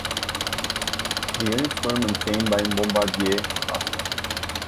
The units were maintained by Bombardier Crofton.